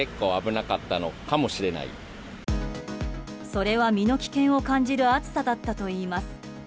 それは身の危険を感じる熱さだったといいます。